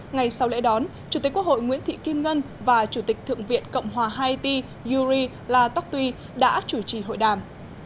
ngày sau lễ đón chủ tịch quốc hội nguyễn thị kim ngân và chủ tịch thượng viện cộng hòa haiti yuri latucky đã chủ trì hội đàm